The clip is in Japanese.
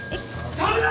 触るな！